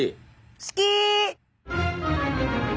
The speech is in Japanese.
好き！